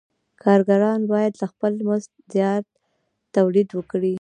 کارګران باید له خپل مزد زیات تولید وکړي